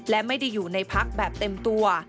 และไม่ได้อยู่ในพักแบบเต็มตัว